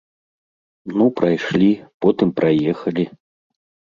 Ну прайшлі, потым праехалі.